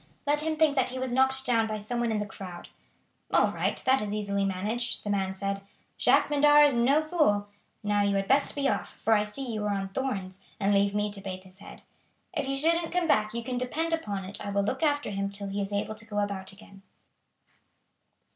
Let him think that he was knocked down by some one in the crowd." "All right! That is easily managed," the man said. "Jacques Medart is no fool. Now you had best be off, for I see you are on thorns, and leave me to bathe his head. If you shouldn't come back you can depend upon it I will look after him till he is able to go about again."